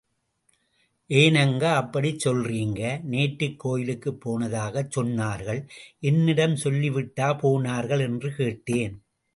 ஏனுங்க அப்படிச் சொல்றீங்க? நேற்றுக் கோயிலுக்குப் போனதாகச் சொன்னார்கள் என்னிடம் சொல்லிவிட்டா போனார்கள் என்று கேட்டேன்.